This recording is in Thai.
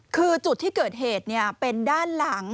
คือจุดที่เกิดเหตุเป็นด้านหลัง